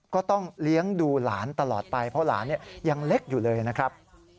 ก็ต้องเลี้ยงดูหลานตลอดไปเพราะหลานยังเล็กอยู่เลยนะครับ